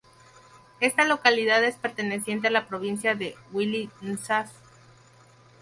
Esta localidad es perteneciente a la provincia de Wele-Nzas.